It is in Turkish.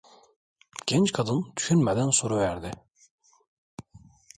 Genç kadın düşünmeden soruverdi: